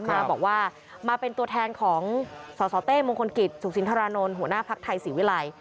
มาบอกว่ามาเป็นตัวแทนของสสเต้มงคลกิจสุขสินทรานนท์หัวหน้าภักดิ์ไทยศรีวิลัย